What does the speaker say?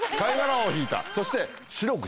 そして。